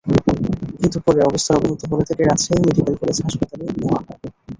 কিন্তু পরে অবস্থার অবনতি হলে তাকে রাজশাহী মেডিকেল কলেজ হাসপতালে নেওয়া হয়।